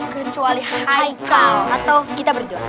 kecuali haikal atau kita berdua